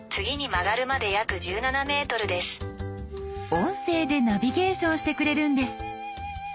音声でナビゲーションしてくれるんです。